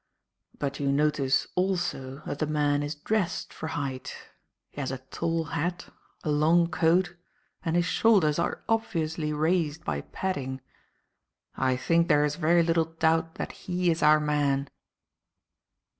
But you notice, also, that the man is dressed for height. He has a tall hat, a long coat, and his shoulders are obviously raised by padding. I think there is very little doubt that he is our man."